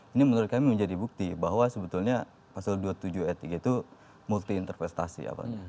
ini menurut kami menjadi bukti bahwa sebetulnya pasal dua puluh tujuh ayat tiga itu multi interpretasi apanya